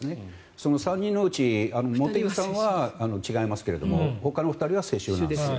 その１人茂木さんは違いますけどほかの２人は世襲なんです。